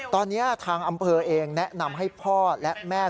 ตอนนี้ทางอำเภอเองแนะนำให้พ่อและแม่